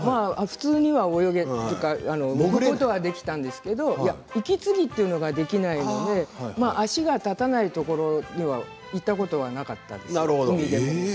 普通に、泳げるというか潜ることはできたんですけれど息継ぎというのができないので足が立たないところには行ったことがなかったんです。